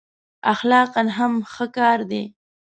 اخلاقأ هم ښه کار دی.